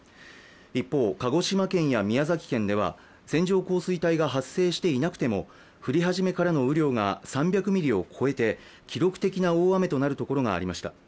一方、鹿児島県や宮崎県では線状降水帯が発生していなくても降り始めからの雨量が３００ミリを超えて記録的な大雨となるところがありました。